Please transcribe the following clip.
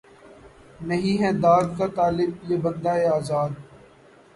نہیں ہے داد کا طالب یہ بندۂ آزاد